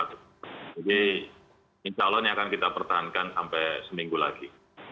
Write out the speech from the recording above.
jadi insya allah ini akan kita pertahankan sampai seminggu lagi